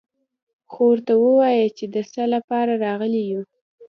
خو ورته ووايه چې د څه له پاره راغلي يو.